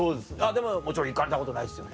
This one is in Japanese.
もちろん行かれたことないですよね？